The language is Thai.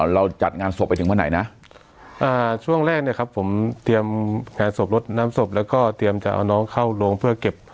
จัดงานศพไปถึงวันไหนนะช่วงแรกเนี่ยครับผมเตรียมงานศพลดน้ำศพแล้วก็เตรียมจะเอาน้องเข้าโรงเพื่อเก็บ